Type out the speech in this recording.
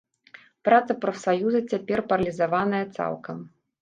Праца прафсаюза цяпер паралізаваная цалкам.